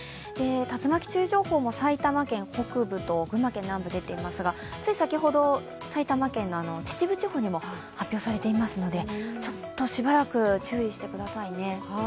竜巻注意情報も埼玉県北部と群馬県南部に出ていますがつい先ほど、埼玉県の秩父地方にも発表されていますので、ちょっとしばらく注意してくださいね。